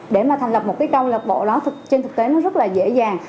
để mà thành lập một cái công lập bộ đó trên thực tế nó rất là dễ dàng